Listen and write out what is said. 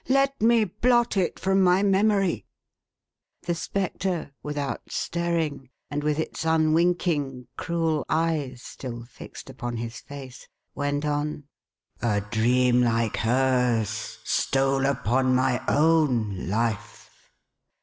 " Let me blot it from my memory !" The Spectre, without stirring, and with its unwinking, cruel eyes still fixed upon his face, went on :" A dream, like hers, stole upon my own life.